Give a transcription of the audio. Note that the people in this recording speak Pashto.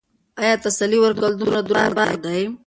ایا تسلي ورکول دومره دروند بار دی؟